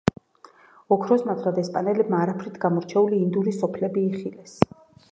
ოქროს ნაცვლად ესპანელებმა არაფრით გამორჩეული ინდიური სოფლები იხილეს.